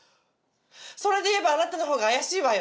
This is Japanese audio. それでいえばあなたの方が怪しいわよ。